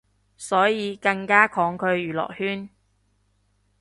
所以更加抗拒娛樂圈